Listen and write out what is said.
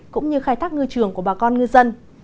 cũng như khai thác ngư trường của bà con ngư dân